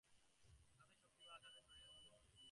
তাতেই শক্তিমান আচার্যদের শরীরে ব্যাধি-আদি হয়।